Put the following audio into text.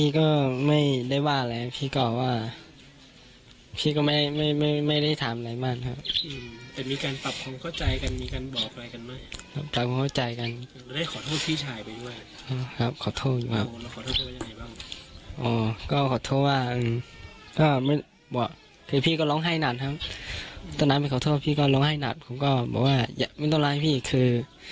ก็บอกว่าอย่าไม่ต้องร้ายพี่คือ